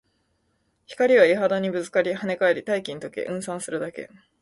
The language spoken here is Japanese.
光は岩肌にぶつかり、跳ね返り、大気に溶け、霧散するだけ